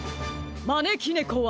まねきねこは。